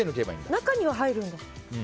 中には入るんだ。